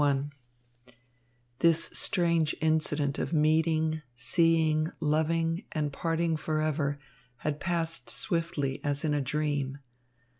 XXXI This strange incident of meeting, seeing, loving, and parting forever had passed swiftly as in a dream.